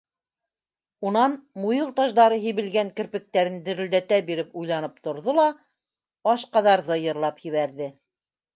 Унан, муйыл таждары һибелгән керпектәрен дерелдәтә биреп, уйланып торҙо ла, «Ашҡаҙар»ҙы йырлап ебәрҙе.